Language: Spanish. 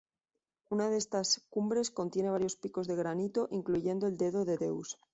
Una de estas cumbres contiene varios picos de granito, incluyendo el Dedo de Deus.